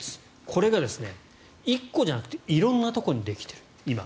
これが１個じゃなくて色んなところに今できている。